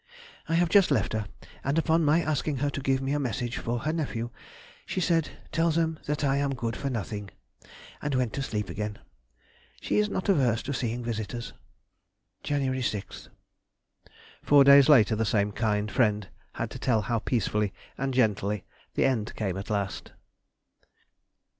I have just left her, and upon my asking her to give me a message for her nephew, she said, "Tell them that I am good for nothing," and went to sleep again.... She is not averse to seeing visitors. January 6th. [Sidenote: 1848. The Long Life is Ended.] Four days later the same kind friend had to tell how peacefully and gently the end came at last.